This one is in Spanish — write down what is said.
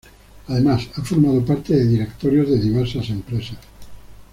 Además, ha formado parte de directorios de diversas empresas.